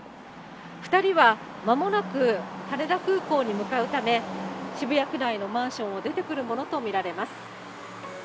２人はまもなく羽田空港に向かうため、渋谷区内のマンションを出てくるものと見られます。